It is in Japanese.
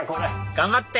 頑張って！